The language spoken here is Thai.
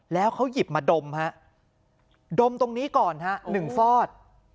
แล้วเขาหยิบมาดมดมตรงนี้ก่อน๑ฟอร์ต